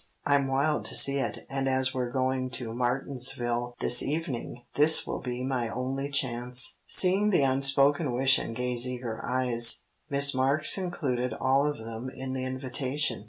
"I'm wild to see it, and as we're going to Martinsville this evening this will be my only chance." Seeing the unspoken wish in Gay's eager eyes, Miss Marks included all of them in the invitation.